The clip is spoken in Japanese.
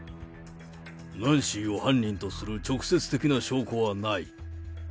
ナンシーを犯人とする直接的な証拠はない。